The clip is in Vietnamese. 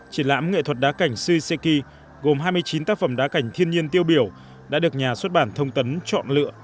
triển lãm nghệ thuật đá cảnh sisiki gồm hai mươi chín tác phẩm đá cảnh thiên nhiên tiêu biểu đã được nhà xuất bản thông tấn chọn lựa